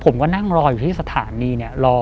ผมก็นั่งรออยู่ที่สถานี